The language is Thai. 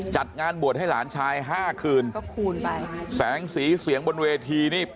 จัดงานบวชให้หลานชายห้าคืนก็คูณไปแสงสีเสียงบนเวทีนี่